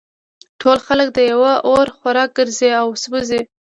ټول خلک د یوه اور خوراک ګرځي او سوزي